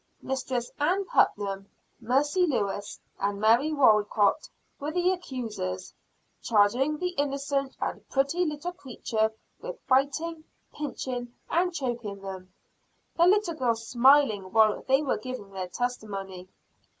Mistress Ann Putnam, Mercy Lewis, and Mary Walcott were the accusers charging the innocent and pretty little creature with biting, pinching and choking them the little girl smiling while they were giving their testimony.